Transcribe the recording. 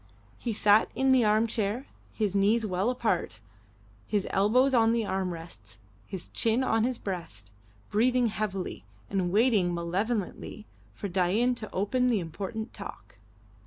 He sat in the arm chair, his knees well apart, his elbows on the arm rests, his chin on his breast, breathing heavily and waiting malevolently for Dain to open the important talk.